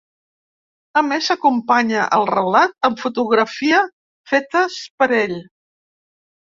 A més acompanya el relat amb fotografia fetes per ell.